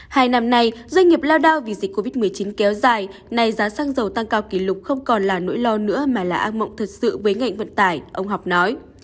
hai năm nay doanh nghiệp lao đao vì dịch covid một mươi chín kéo dài nay giá xăng dầu tăng cao kỷ lục không còn là nỗi lo nữa mà là ác mộng thật sự với ngành vận tải ông học nói